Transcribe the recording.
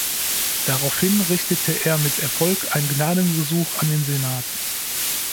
Daraufhin richtete er mit Erfolg ein Gnadengesuch an den Senat.